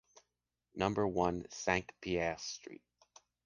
Number one, Cinq-Pères Street.